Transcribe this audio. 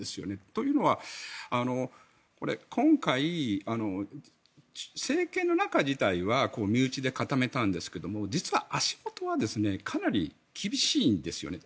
というのは今回、政権の中自体は身内で固めたんですけども実は足元はかなり厳しいんですよね。